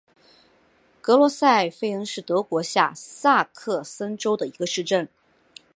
格罗塞费恩是德国下萨克森州的一个市镇。